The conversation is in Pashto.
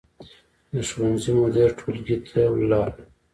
د ښوونځي مدیر ټولګي ته لاړ.